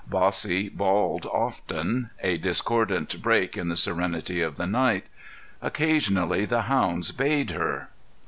Bossy bawled often a discordant break in the serenity of the night. Occasionally the hounds bayed her.